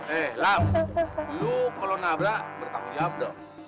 eh sulam lo kalo nabrak bertanggung jawab dong